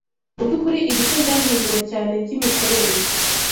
Mubyukuri ibice byahinduwe cyane byimikorere